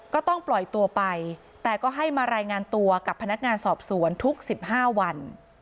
ก็ต้องปล่อยตัวไปแต่ก็ให้มารายงานตัวกับพนักงานสอบสวนทุก๑๕วัน